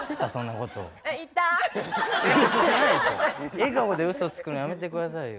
笑顔でウソつくのやめて下さいよ。